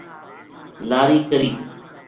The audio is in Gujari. لاری کری